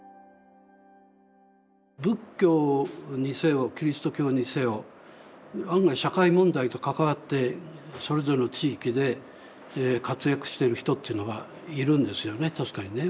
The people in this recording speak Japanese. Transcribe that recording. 仏教にせよキリスト教にせよ案外社会問題と関わってそれぞれの地域で活躍してる人っていうのがいるんですよね